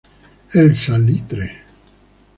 El Salitre.